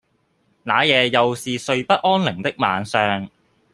那夜又是睡不安寧的晚上